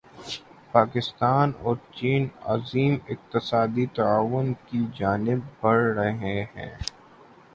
پاکستان اور چین عظیم اقتصادی تعاون کی جانب بڑھ رہے ہیں